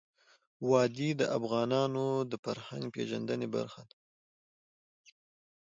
وادي د افغانانو د فرهنګ پیژندني برخه ده.